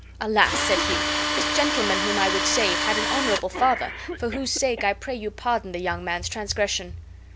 "Alas!" said he, "this gentleman whom I would save had an honorable father, for whose sake I pray you pardon the young man's transgression."